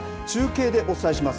中継でお伝えします。